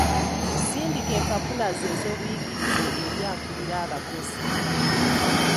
Sindika empapula zo ez'obuyigirize eri akulira abakozi.